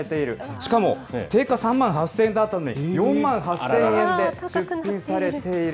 しかも、定価３万８０００円だったのに、４万８０００円で出品されている。